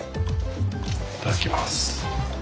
いただきます。